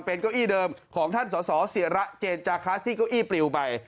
เป็นเก้าอี้เดิมของท่านสสเสียระเจนจาคะที่เก้าอี้ปลิวไป